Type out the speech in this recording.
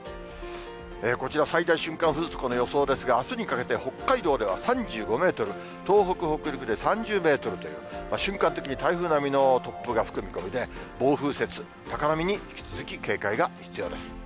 こちら最大瞬間風速の予想ですが、あすにかけて、北海道では３５メートル、東北、北陸で３０メートルという、瞬間的に台風並みの突風が吹く見込みで、暴風雪、高波に引き続き警戒が必要です。